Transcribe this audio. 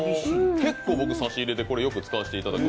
結構僕、差し入れでこれをよく使わせていただく。